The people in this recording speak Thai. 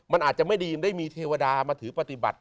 มันอาจจะไม่ดีได้มีเทวดามาถือปฏิบัติ